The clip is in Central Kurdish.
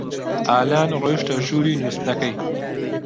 ئالان ڕۆیشتە ژووری نووستنەکەی.